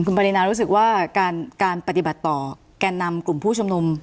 คุณปรินารู้สึกว่าการปฏิบัติต่อแก่นำกลุ่มผู้ชุมนุม